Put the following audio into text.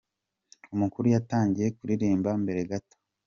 Umukuru yatangiye kuririmba mbere gato.